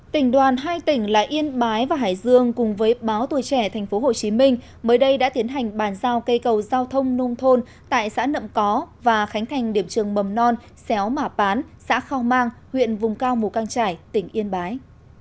tỉnh đoàn hai tỉnh là yên bái và hải dương cùng với báo tuổi trẻ tp hcm mới đây đã tiến hành bàn giao cây cầu giao thông nông thôn tại xã nậm có và khánh thành điểm trường mầm non xéo mả pán xã khao mang huyện vùng cao mù căng trải tỉnh yên bái